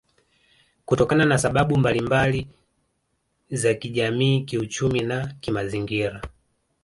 kutokana na sababu mbalimba za kijamii kiuchumi na kimazingira